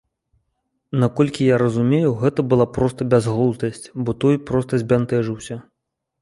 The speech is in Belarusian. Наколькі я разумею, гэта была проста бязглуздасць, бо той проста збянтэжыўся.